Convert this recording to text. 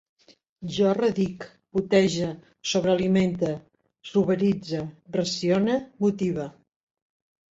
Jo redic, putege, sobrealimente, suberitze, racione, motive